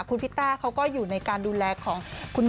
คุณพิต้าเขาก็อยู่ในการดูแลของคุณหมอ